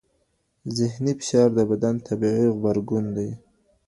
ذهني فشار د بدن طبیعي غبرګون دی.